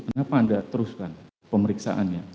kenapa anda teruskan pemeriksaannya